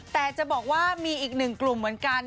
แต่จะบอกว่ามีอีกหนึ่งกลุ่มเหมือนกัน